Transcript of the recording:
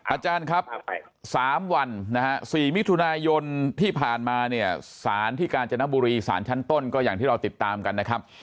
อาจารย์ครับ๓วันนะฮะ๔มิถุนายนที่ผ่านมาเนี่ยสารที่กาญจนบุรีสารชั้นต้นก็อย่างที่เราติดตามกันนะครับ